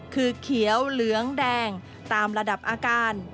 คือเขียวเหลืองแดงตามระดับอาการ